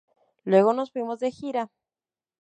Luego nos fuimos de gira.